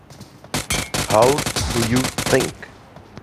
How do you think?